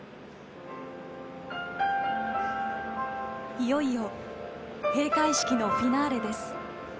いよいよ閉会式のフィナーレです。